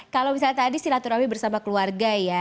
kalau misalnya tadi silaturahmi bersama keluarga ya